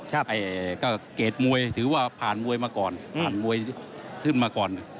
ก็เกรดมวยถือว่าผ่านมวยมาก่อนผ่านมวยขึ้นมาก่อน